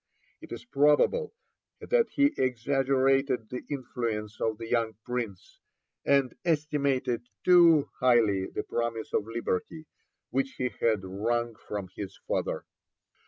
It is probable that he exaggerated the influence of the young Prince, and estimated too highly the promise of liberty which he had wrung from his father.